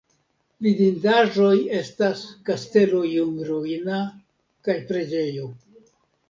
Vidindaĵoj estas kastelo iom ruina kaj preĝejo.